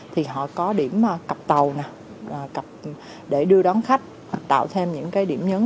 thì họ có điểm cặp tàu cặp để đưa đón khách tạo thêm những cái điểm nhấn